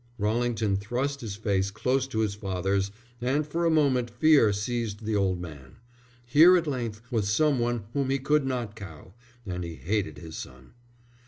Rallington thrust his face close to his father's, and for a moment fear seized the old man. Here at length was some one whom he could not cow, and he hated his son.